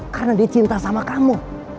karena dia cinta sama kamu